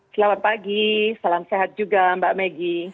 selamat pagi salam sehat juga mbak maggie